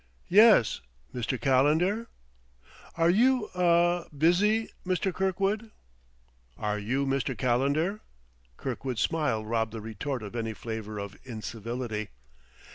"Yes, Mr. Calendar ?" "Are you ah busy, Mr. Kirkwood?" "Are you, Mr. Calendar?" Kirkwood's smile robbed the retort of any flavor of incivility.